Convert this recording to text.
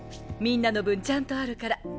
みんなの分ちゃんとあるから。